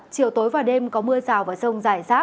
chiều tối và đêm có mưa rào và rông dài sát